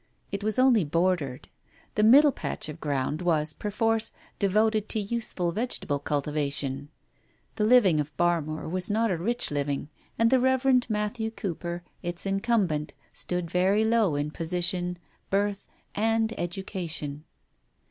It was only bordered; the middle patch of ground was, perforce, devoted to usefuPvege table cultivation. The living of Barmoor was not a rich living, and the Rev. Matthew Cooper, its incumbent, stood very low in position, birth, and education.